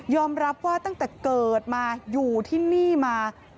รับว่าตั้งแต่เกิดมาอยู่ที่นี่มา